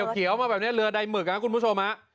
เขียวมาแบบนี้เรือใดหมึกนะคุณผู้ชมฮะ